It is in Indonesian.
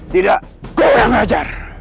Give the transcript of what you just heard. tidak kau yang mengajar